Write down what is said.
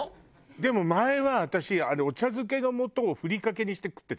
でも前は私お茶づけのもとをふりかけにして食ってた。